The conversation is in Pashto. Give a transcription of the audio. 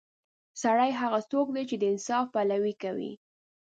سړی هغه څوک دی چې د انصاف پلوي کوي.